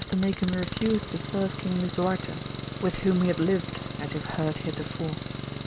169 to make him refuse to serve King Lisuarfce, with whom he had lived as you have heard heretofore.